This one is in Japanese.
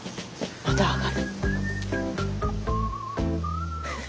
まだ上がる。